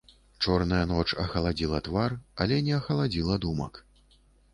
Чорная ноч ахаладзіла твар, але не ахаладзіла думак.